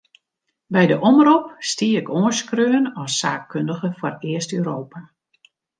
By de omrop stie ik oanskreaun as saakkundige foar East-Europa.